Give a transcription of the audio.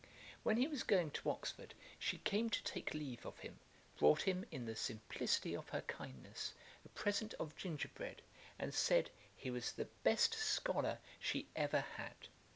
When he was going to Oxford, she came to take leave of him, brought him, in the simplicity of her kindness, a present of gingerbread, and said, he was the best scholar she ever had.